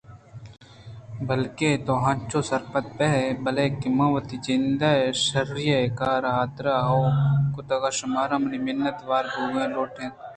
بلکیں تو انچو سرپدبہ بئے کہ من وتی جند ءِ شرّی ءَ اے کارءِ حاترا ہئو !کُتگ شمارا منی منت وار بوئگ لوٹیت